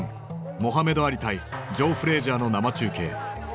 モハメド・アリ対ジョー・フレージャーの生中継。